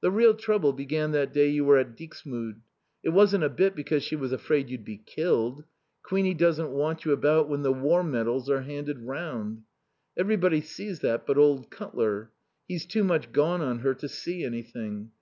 The real trouble began that day you were at Dixmude. It wasn't a bit because she was afraid you'd be killed. Queenie doesn't want you about when the War medals are handed round. Everybody sees that but old Cutler. He's too much gone on her to see anything.